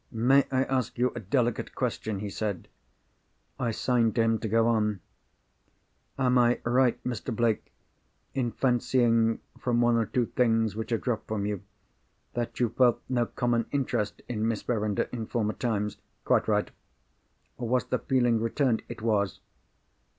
"May I ask you a delicate question?" he said. I signed to him to go on. "Am I right, Mr. Blake, in fancying (from one or two things which have dropped from you) that you felt no common interest in Miss Verinder, in former times?" "Quite right." "Was the feeling returned?" "It was."